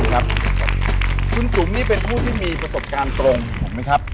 คุณจุ๋มนี่เป็นผู้ที่มีประสบการณ์ตรงถูกไหมครับ